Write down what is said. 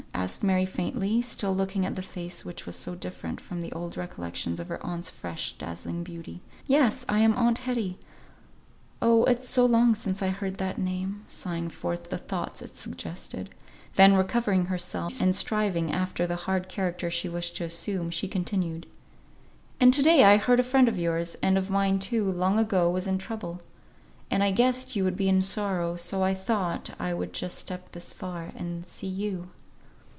asked Mary, faintly, still looking at the face which was so different from the old recollections of her aunt's fresh dazzling beauty. "Yes! I am aunt Hetty. Oh! it's so long since I heard that name," sighing forth the thoughts it suggested; then recovering herself, and striving after the hard character she wished to assume, she continued: "And to day I heard a friend of yours, and of mine too, long ago, was in trouble, and I guessed you would be in sorrow, so I thought I would just step this far and see you."